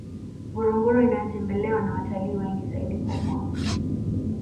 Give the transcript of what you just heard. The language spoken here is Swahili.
ngorongoro inayotembelewa na watalii wengi zaidi kwa mwaka